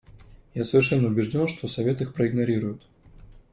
Я совершенно убежден, что Совет их проигнорирует.